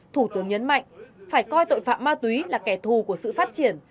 thủ tướng nhấn mạnh phải coi tội phạm ma túy là kẻ thù của sự phát triển